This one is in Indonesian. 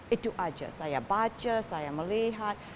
itu aja saya baca saya melihat